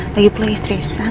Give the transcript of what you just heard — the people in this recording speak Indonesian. lagi peluh istri saya